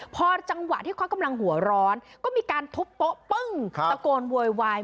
พอจังหวะที่เขากำลังหัวร้อนก็มีการทุบโป๊ะปึ้งตะโกนโวยวาย